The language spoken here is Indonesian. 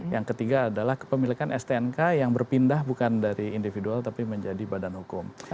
yang ketiga adalah kepemilikan stnk yang berpindah bukan dari individual tapi menjadi badan hukum